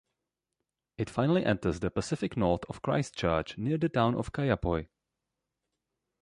It finally enters the Pacific north of Christchurch, near the town of Kaiapoi.